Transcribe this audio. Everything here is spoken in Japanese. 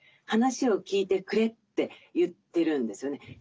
「話を聞いてくれ」って言ってるんですよね。